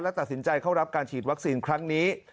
และตัดสินใจเข้ารับการฉีดวัคซีนครั้งนี้